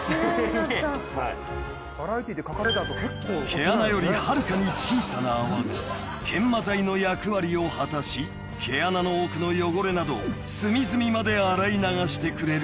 ［毛穴よりはるかに小さな泡が研磨剤の役割を果たし毛穴の奥の汚れなど隅々まで洗い流してくれるこの技術］